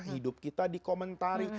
hidup kita dikomentari